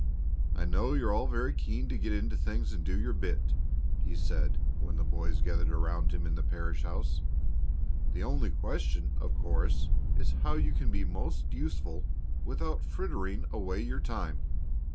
"I know you're all very keen to get into things and do your bit," he said, when the boys gathered around him in the parish house. "The only question, of course, is how you can be most useful without frittering away your time.